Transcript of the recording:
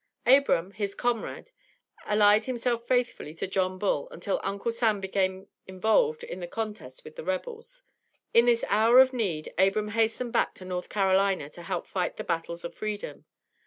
Abram, his comrade, allied himself faithfully to John Bull until Uncle Sam became involved in the contest with the rebels. In this hour of need Abram hastened back to North Carolina to help fight the battles of Freedom.